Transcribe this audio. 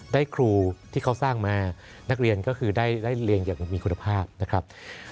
ได้ครูที่เขาสร้างมานักเรียนก็คือได้เรียนอย่างมีคุณภาพนะครับ